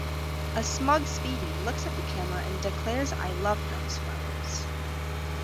A smug Speedy looks at the camera and declares I love those fellows.